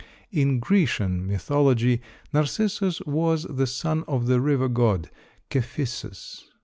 In Grecian mythology Narcissus was the son of the river god, Cephissus.